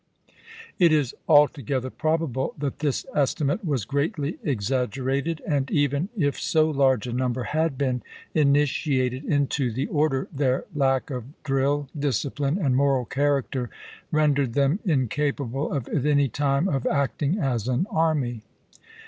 It is altogether probable that this estimate was greatly exaggerated; and even if so large a number had been initiated into the order, their lack of driU, discipline, and moral character rendered them in capable at any time of acting as an army.